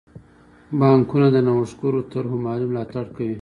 بانکونه د نوښتګرو طرحو مالي ملاتړ کوي.